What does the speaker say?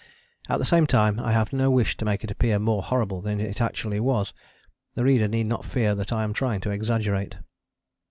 At the same time I have no wish to make it appear more horrible than it actually was: the reader need not fear that I am trying to exaggerate.